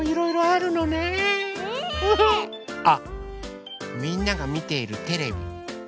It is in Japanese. あっみんながみているテレビ。